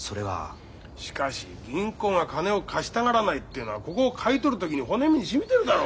しかし銀行が金を貸したがらないっていうのはここを買い取る時に骨身にしみてるだろうが。